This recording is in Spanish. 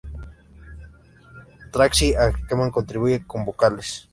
Tracy Ackerman contribuye con vocales.